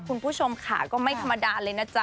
คุณผู้ชมค่ะก็ไม่ธรรมดาเลยนะจ๊